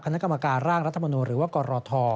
คณะกรรมการร่างรัฐมนูลหรือว่ากรท